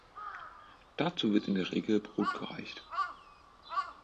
Dazu wird in der Regel Brot gereicht.